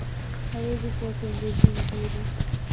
hawezi kuwa kiongozi mzuri.